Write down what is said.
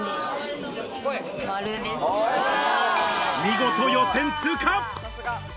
見事、予選通過！